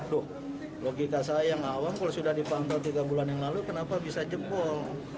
loh logika saya yang awal kalau sudah dipanggil tiga bulan yang lalu kenapa bisa jebol